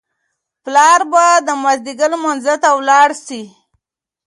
پلار به د مازیګر لمانځه ته ولاړ شي.